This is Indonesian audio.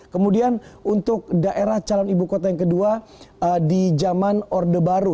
kemudian untuk daerah calon ibu kota yang kedua di zaman orde baru